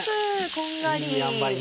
こんがり。